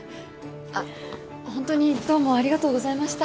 あっ本当にどうもありがとうございました。